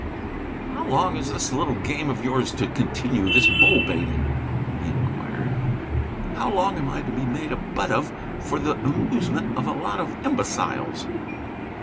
"How long is this little game of yours to continue, this bull baiting?" he inquired. "How long am I to be made a butt of for the amusement of a lot of imbeciles?"